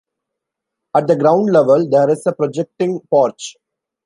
At the ground level, there is a projecting porch.